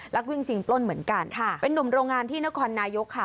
วิ่งชิงปล้นเหมือนกันค่ะเป็นนุ่มโรงงานที่นครนายกค่ะ